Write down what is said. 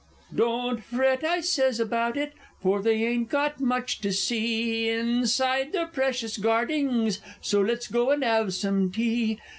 _ "Don't fret," I sez, "about it, for they ain't got much to see Inside their precious Gardings so let's go and 'ave some tea!